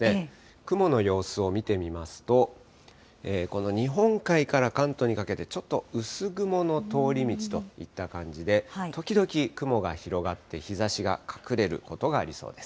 雲の様子を見てみますと、この日本海側から関東にかけて、ちょっと薄雲の通り道といった感じで、時々、雲が広がって、日ざしが隠れることがありそうです。